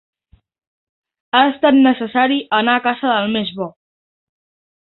Ha estat necessari anar a casa del més bo.